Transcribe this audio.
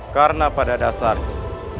karena pada dasarnya